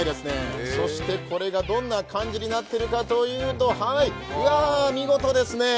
そしてこれがどんな感じになっているかというとうわー、見事ですね。